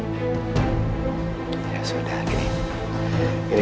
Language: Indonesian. ya sudah gini